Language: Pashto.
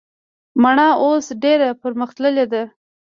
مڼه اوس ډیره پرمختللي ده